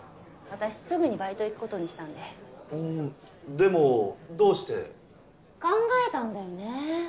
私すぐにバイト行くことにしたんでうんでもどうして考えたんだよね